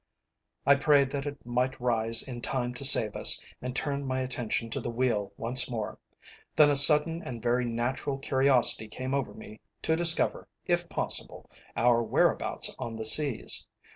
I prayed that it might rise in time to save us, and turned my attention to the wheel once more. Then a sudden and very natural curiosity came over me to discover, if possible, our whereabouts on the seas.